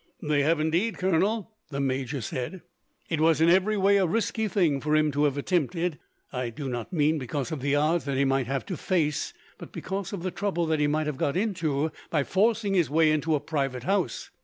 "They have, indeed, Colonel," the major said. "It was, in every way, a risky thing for him to have attempted. I do not mean because of the odds that he might have to face, but because of the trouble that he might have got into, by forcing his way into a private house.